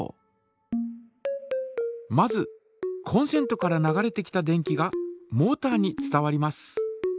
まずコンセントから流れてきた電気がモータに伝わります。